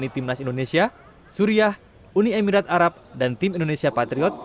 timnas indonesia suriah uni emirat arab dan tim indonesia patriot